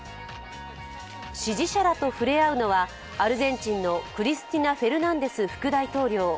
支持者らと触れ合うのは、アルゼンチンのクリスティナ・フェルナンデス副大統領。